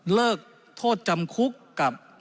เลิกโทษจำคุกกับ